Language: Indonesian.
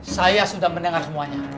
saya sudah mendengar semuanya